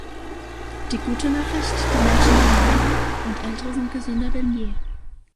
Die gute Nachricht: Die Menschen leben länger, und Ältere sind gesünder denn je.